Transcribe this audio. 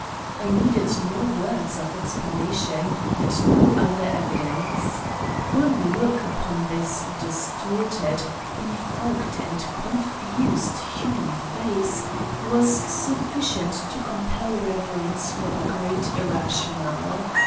I needed no words of explanation and no other evi dence : One look upon this distorted, befogged and confused human face was sufficient to compel rev erence for the Great Irrational!